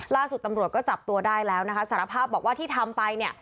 ล่าสุดตำรวจก็จับตัวได้แล้วนะคะสารภาพบอกว่าที่ทำไปเนี่ย